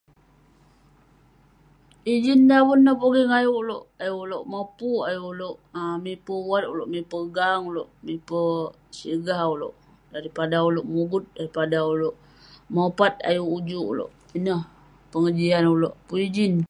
Ijin daven ineh pogeng ayuk ulouk. Ayuk ulouk mopuk, ayuk ulouk mipe uwat, mipe gang ulouk, mipe sigah ulouk. Daripada ulouk mugut, daripada ulouk mopat ayuk ujuk ulouk. Ineh pengejian ulouk pun ijin.